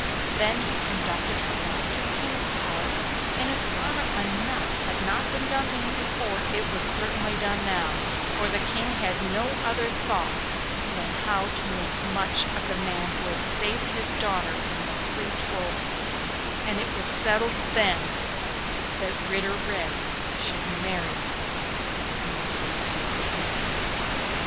Then he conducted her back to the King's palace, and if honour enough had not been done him before it was certainly done now, for the King had no other thought than how to make much of the man who had saved his daughter from the three Trolls; and it was settled then that Ritter Red should marry her, and receive half the kingdom.